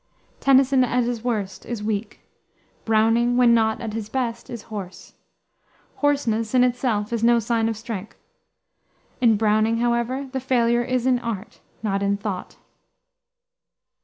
Tennyson, at his worst, is weak. Browning, when not at his best, is hoarse. Hoarseness, in itself, is no sign of strength. In Browning, however, the failure is in art, not in thought.